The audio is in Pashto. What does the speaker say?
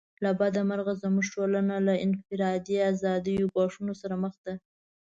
له بده مرغه زموږ ټولنه له انفرادي آزادیو ګواښونو سره مخ ده.